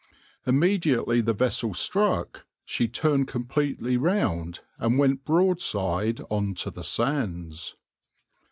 Immediately the vessel struck, she turned completely round and went broadside on to the sands.